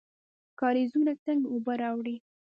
کاریزونه څنګه اوبه راوړي؟